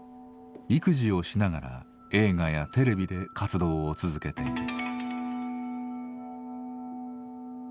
育児をしながら映画やテレビで活動を続けている。